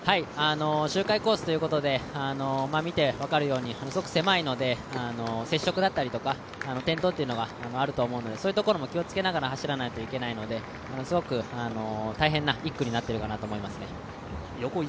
周回コースということで、見て分かるとおり細くて狭いので接触とか転倒というのがあると思うのでそういう所を気をつけながら走らないといけないのですごく大変な１区になっているかなと思いますね。